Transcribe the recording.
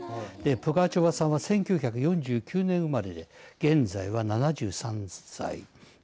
プガチョワさんは１９４９年生まれで現在は７３歳。